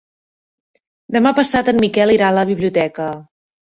Demà passat en Miquel irà a la biblioteca.